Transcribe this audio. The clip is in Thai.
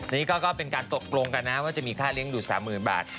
นี่ก็เป็นการตกลงกันนะว่าจะมีค่าเลี้ยงดู๓๐๐๐บาท